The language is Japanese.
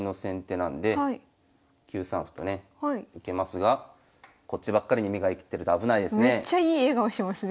なんで９三歩とね受けますがこっちばっかりに目が行ってると危ないですね。